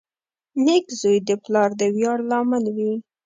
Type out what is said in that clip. • نېک زوی د پلار د ویاړ لامل وي.